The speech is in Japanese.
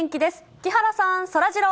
木原さん、そらジロー。